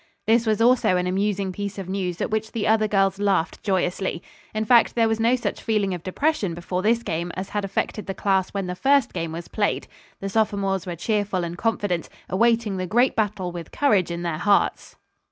This was also an amusing piece of news at which the other girls laughed joyously. In fact, there was no such feeling of depression before this game as had affected the class when the first game was played. The sophomores were cheerful and confident, awaiting the great battle with courage in their hearts.